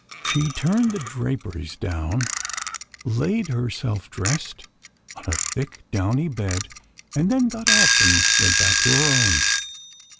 She turned the draperies down, laid herself dressed on the thick, downy bed, and then got up and went back to her own.